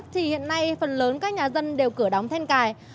thì hiện nay phần lớn các nhà dân đều cửa đóng then cài